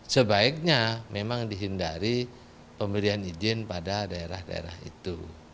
sebaiknya memang dihindari pemberian izin pada daerah daerah itu